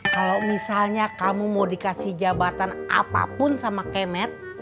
kalau misalnya kamu mau dikasih jabatan apapun sama kemet